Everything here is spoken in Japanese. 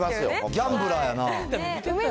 ギャンブラーやな。